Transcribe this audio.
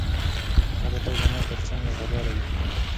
هغه به تل زما تر څنګ وفاداره وي.